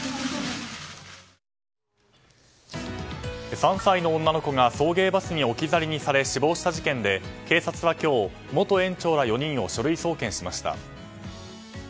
３歳の女の子が送迎バスに置き去りにされ死亡した事件で警察は今日、元園長ら４人を書類送検しました。